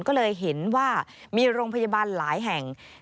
ก็เลยเห็นว่ามีโรงพยาบาลหลายแห่ง